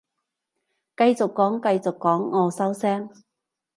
繼續講繼續講，我收聲